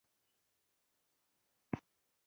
ځلاند زما ځوي پر ما ګران دی